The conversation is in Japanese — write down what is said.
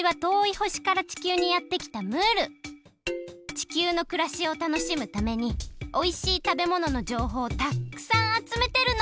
地球のくらしをたのしむためにおいしい食べもののじょうほうをたっくさんあつめてるの！